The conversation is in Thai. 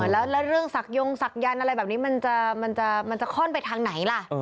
แล้วเรื่องศักยงศักยันต์อะไรแบบนี้มันจะค่อนไปทางไหนล่ะ